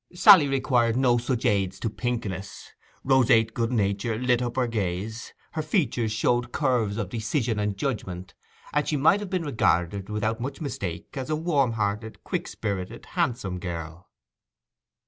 Sally required no such aids to pinkness. Roseate good nature lit up her gaze; her features showed curves of decision and judgment; and she might have been regarded without much mistake as a warm hearted, quick spirited, handsome girl.